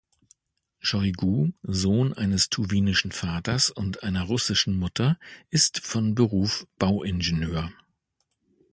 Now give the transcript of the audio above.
Schoigu, Sohn eines tuwinischen Vaters und einer russischen Mutter, ist von Beruf Bauingenieur.